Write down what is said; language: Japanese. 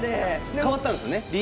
変わったんですね。